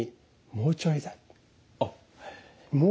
もうちょいだ。